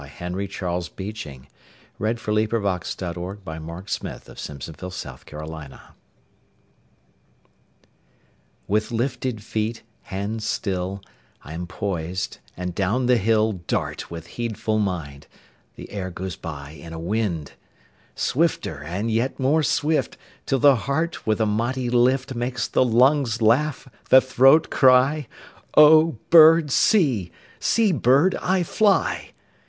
Henry Charles Beeching. 1859–1919 856. Going down Hill on a Bicycle A BOY'S SONG WITH lifted feet, hands still, I am poised, and down the hill Dart, with heedful mind; The air goes by in a wind. Swifter and yet more swift, 5 Till the heart with a mighty lift Makes the lungs laugh, the throat cry:— 'O bird, see; see, bird, I fly.